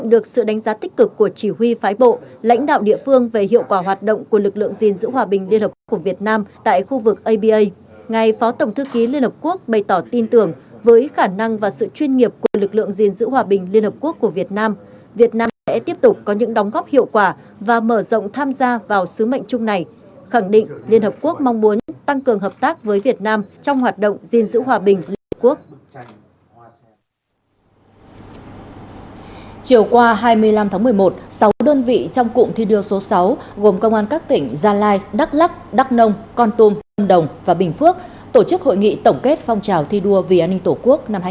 hòa hai mươi năm tháng một mươi một sáu đơn vị trong cụm thi đua số sáu gồm công an các tỉnh gia lai đắk lắc đắk nông con tôm hồng đồng và bình phước tổ chức hội nghị tổng kết phong trào thi đua vì an ninh tổ quốc năm hai nghìn hai mươi hai